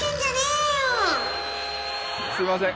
すいません。